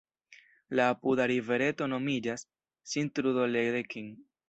La apuda rivereto nomiĝas "Sint-Trudoledeken".